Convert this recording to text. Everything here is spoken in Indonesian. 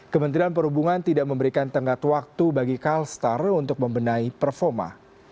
kementerian perhubungan tidak memberikan tenggat waktu bagi calstar untuk membenahi performa